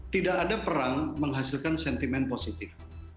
tidak ada perang menghasilkan sentimen positif